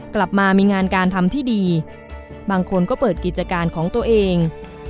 กลับมามีงานการทำที่ดีบางคนก็เปิดกิจการของตัวเอง